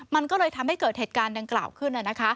มันก็เลยทำให้เกิดเหตุการณ์ดังกล่าวขึ้น